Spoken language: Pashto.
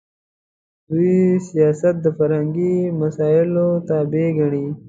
دوی سیاست د فرهنګي مسایلو تابع ګڼي.